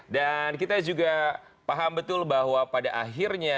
dan kita juga paham betul bahwa pada akhirnya